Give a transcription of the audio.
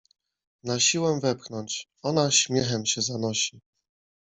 Na siłę wepchnąć, ona śmiechem się zanosi